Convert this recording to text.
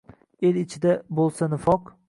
El ichida bo’lsa nifoq